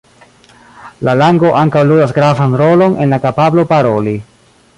La lango ankaŭ ludas gravan rolon en la kapablo paroli.